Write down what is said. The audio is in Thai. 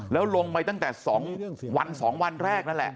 แล้วลงไปตั้งแต่๒วัน๒วันแรกนั่นแหละ